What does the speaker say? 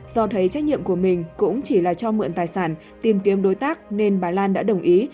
do thấy trách nhiệm của mình cũng chỉ là cho mượn tài sản tìm kiếm đối tác nên bà lan đã đồng ý